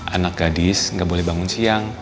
anak gadis nggak boleh bangun siang